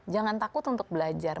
jangan takut untuk belajar